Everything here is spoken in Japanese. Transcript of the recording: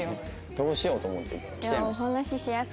どうしようと思って来ちゃいました。